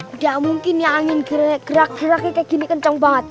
udah mungkin ya angin gerak geraknya kayak gini kenceng banget